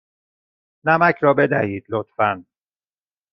نمک را بدهید، لطفا.